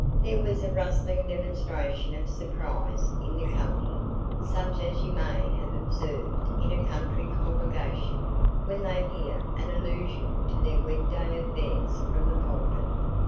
There was a rustling demonstration of surprise in the company, such as you may have observed in a country congregation when they hear an allusion to their week day affairs from the pulpit.